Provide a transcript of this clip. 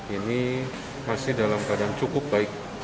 ini masih dalam keadaan cukup baik